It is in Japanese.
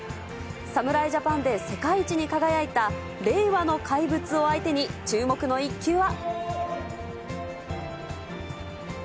侍ジャパンで世界一に輝いた令和の怪物を相手に、注目の一球は。